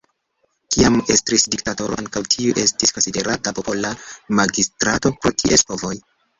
Kiam estris diktatoro, ankaŭ tiu estis konsiderata popola magistrato, pro ties povoj.